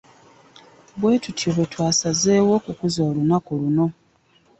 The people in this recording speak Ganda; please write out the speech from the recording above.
Bwetutyo bwe twasazeewo okukuza olunaku luno